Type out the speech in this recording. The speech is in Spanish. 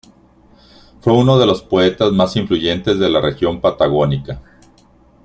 Fue uno de los poetas más influyentes de la región patagónica.